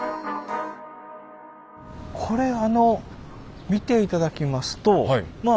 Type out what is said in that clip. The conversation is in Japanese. これ見て頂きますとまあ